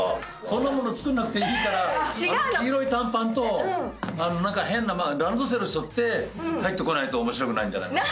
そんな物作んなくていいからあの黄色い短パンと変なランドセルしょって入ってこないと面白くないんじゃないの？